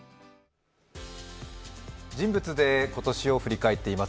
人物で今年を振り返っています。